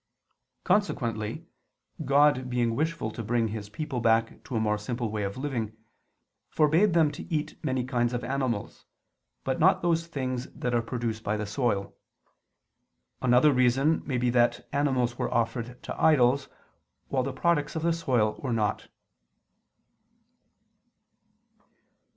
Consequently God being wishful to bring His people back to a more simple way of living, forbade them to eat many kinds of animals, but not those things that are produced by the soil. Another reason may be that animals were offered to idols, while the products of the soil were not.